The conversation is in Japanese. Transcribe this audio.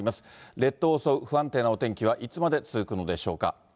列島を襲う不安定なお天気は、いつまで続くのでしょうか。